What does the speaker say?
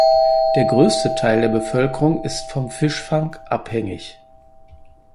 Der größte Teil der Bevölkerung ist vom Fischfang abhängig.